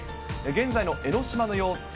現在の江の島の様子。